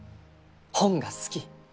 本が好き。